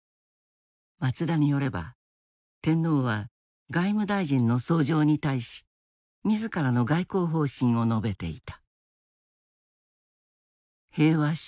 松田によれば天皇は外務大臣の奏上に対し自らの外交方針を述べていた。